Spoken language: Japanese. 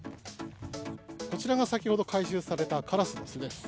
こちらが先ほど回収されたカラスの巣です。